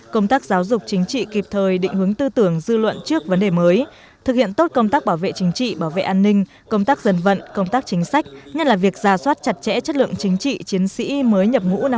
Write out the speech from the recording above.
công tác giáo dục chính trị kịp thời định hướng tư tưởng dư luận trước vấn đề mới thực hiện tốt công tác bảo vệ chính trị bảo vệ an ninh công tác dân vận công tác chính sách nhất là việc ra soát chặt chẽ chất lượng chính trị chiến sĩ mới nhập ngũ năm hai nghìn hai mươi bốn